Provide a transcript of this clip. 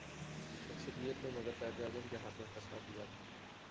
اکثریت نے مگر قائد اعظم کے حق میں فیصلہ دیا تھا۔